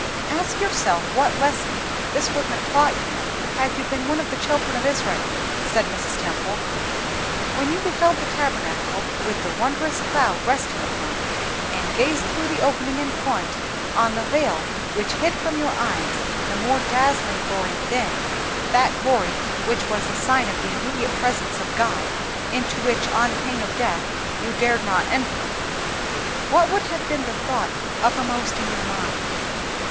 "Ask yourself what lesson this would have taught you had you been one of the children of Israel," said Mrs. Temple. "When you beheld the Tabernacle with the wondrous cloud resting upon it, and gazed through the opening in front on the veil which hid from your eyes the more dazzling glory within—that glory which was a sign of the immediate presence of God, into which on pain of death you dared not enter—what would have been the thought uppermost in your mind?"